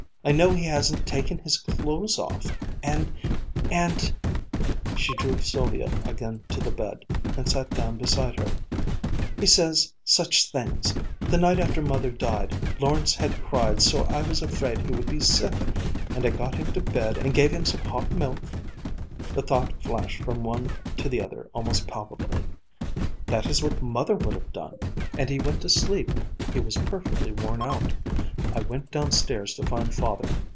I know he hasn't taken his clothes off. And and " she drew Sylvia again to the bed, and sat down beside her, "he says such things ... the night after Mother died Lawrence had cried so I was afraid he would be sick, and I got him to bed and gave him some hot milk," the thought flashed from one to the other almost palpably, "That is what Mother would have done" "and he went to sleep he was perfectly worn out. I went downstairs to find Father.